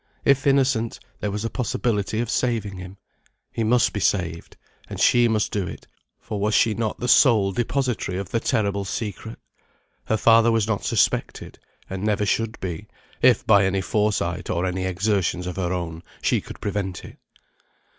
If innocent, there was a possibility of saving him. He must be saved. And she must do it; for was not she the sole depository of the terrible secret? Her father was not suspected; and never should be, if by any foresight or any exertions of her own she could prevent it.